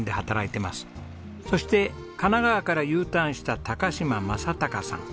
そして神奈川からＵターンした島大貴さん。